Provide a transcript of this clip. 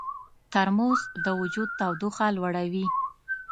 ترموز د وجود تودوخه لوړوي.